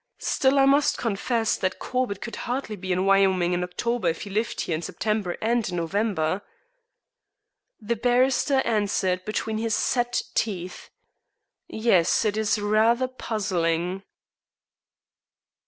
Still, I must confess that Corbett could hardly be in Wyoming in October if he lived here in September and in November." The barrister answered between his set teeth: "Yes, it is rather puzzling."